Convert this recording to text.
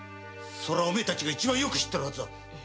おめえたちが一番よく知ってるハズだ。